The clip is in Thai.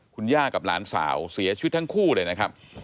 คุณย่ากับหลานสาวเสียชีวิตทั้งคู่เลยนะครับ